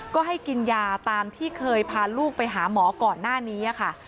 ก็ให้กินยาตามที่เคยพาลูกไปหาหมอก่อนหน้านี้ค่ะ